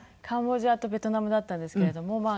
カンボジアとベトナムだったんですけれども。